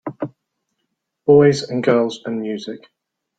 Boys and girls and music.